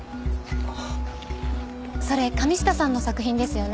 それ神下さんの作品ですよね。